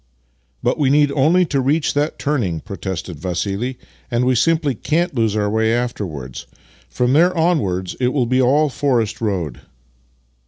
" But we need only to reach that turning," pro tested Vassili, " and we simply can't lose our way after wards. From there onwards it v/ill be all forest road."